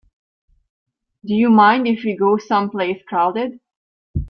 Do you mind if we go someplace crowded?